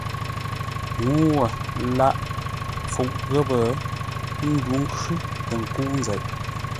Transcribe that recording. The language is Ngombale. Ŋuu wə̂ lâghʼ pfuʼ ghəpə́ ńdǔ ńkhʉ́ tə nkə́u nzeʼ.